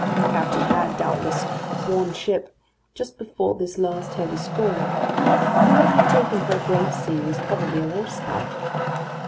The captain had, doubtless, worn ship just before this last heavy squall; and what he had taken for a great sea was probably a waterspout.